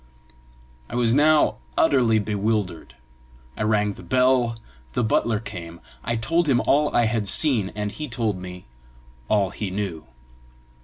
I was now utterly bewildered. I rang the bell; the butler came; I told him all I had seen, and he told me all he knew.